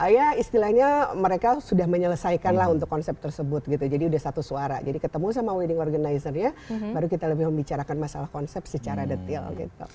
ya istilahnya mereka sudah menyelesaikan lah untuk konsep tersebut gitu jadi udah satu suara jadi ketemu sama wedding organizer nya baru kita lebih membicarakan masalah konsep secara detail gitu